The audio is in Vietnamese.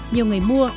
nhiều người mua